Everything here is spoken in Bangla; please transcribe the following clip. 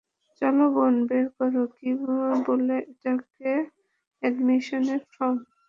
চলো বোন, বের করো, কি বলে এটাকে এডমিশনের ফর্ম।